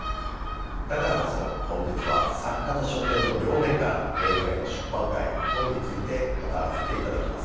だからこそ本日は作家と書店の両面から現在の出版界本について語らせていただきます。